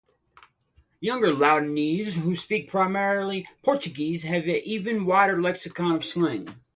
Younger Luandese, who speak primarily Portuguese, have even a wider lexicon of slang.